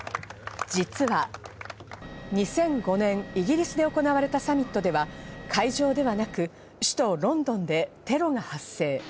実は、２００５年、イギリスで行われたサミットでは会場ではなく、首都ロンドンでテロが発生。